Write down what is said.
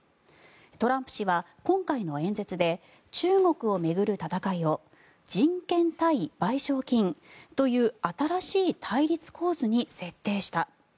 トランプ氏は今回の演説で中国を巡る戦いを人権対賠償金という新しい対立構図に設定した。